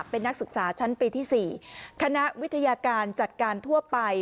เป็นนักศึกษาชั้นปีที่๔คณะวิทยาการจัดการทั่วไป